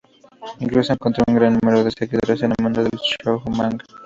Incluso encontró un gran número de seguidores en el mundo del shojo manga.